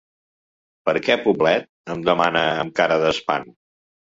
Per què Poblet? —em demana amb cara d'espant.